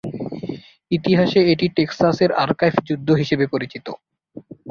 ইতিহাসে এটিকে টেক্সাসের আর্কাইভ যুদ্ধ হিসেবে পরিচিত।